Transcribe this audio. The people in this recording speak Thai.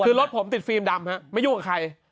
คือรถผมติดฟิล์มดำไม่ยุ่งกับใคร